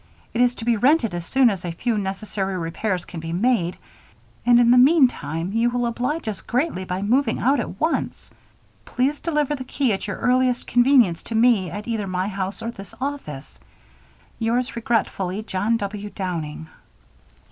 It is to be rented as soon as a few necessary repairs can be made, and in the meantime you will oblige us greatly by moving out at once. Please deliver the key at your earliest convenience to me at either my house or this office. "Yours regretfully, "JOHN W. DOWNING."